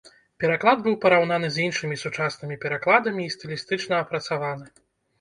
Пераклад быў параўнаны з іншымі сучаснымі перакладамі і стылістычна апрацаваны.